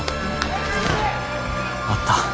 あった。